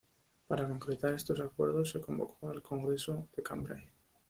Para concretar estos acuerdos se convocó el Congreso de Cambrai.